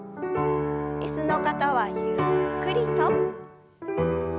椅子の方はゆっくりと。